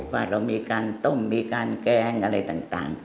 ว่าเรามีการต้มมีการแกงอะไรต่าง